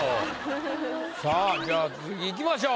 さぁじゃあ続きいきましょう